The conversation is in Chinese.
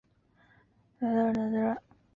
达讷和四风人口变化图示